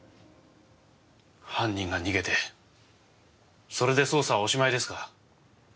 犯人が逃げてそれで捜査はおしまいですか？